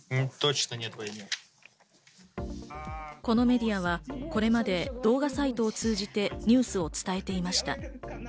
このメディアはこれまで動画サイトを通じてニュースを伝えていました。